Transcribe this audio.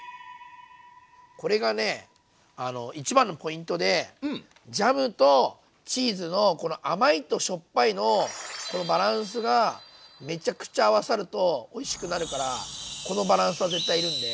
これがね一番のポイントでジャムとチーズのこの甘いとしょっぱいのこのバランスがめちゃくちゃ合わさるとおいしくなるからこのバランスは絶対要るんで。